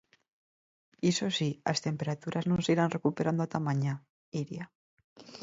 Iso si, as temperaturas non se irán recuperando ata mañá, Iria.